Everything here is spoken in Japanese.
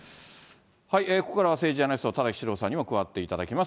ここからは政治ジャーナリスト、田崎史郎さんにも加わっています。